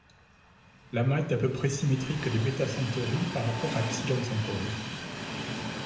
L'amas est à peu près symétrique de β Centauri par rapport à ε Centauri.